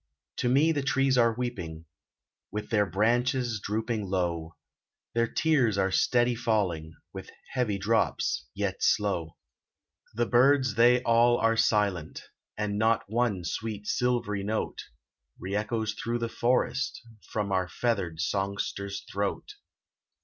To me the trees are weeping, With their branches drooping low, Their tears are steady falling, With heavy drops, yet slow. The birds they all are silent, And not one sweet silvery note, Re echoes through the forest, From our feathered songster's throat.